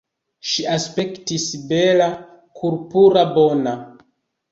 Ŝi aspektis bela, korpura, bona.